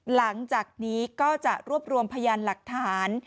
หลังจากนี้ก็จะรวบรวมพยานหลักฐาน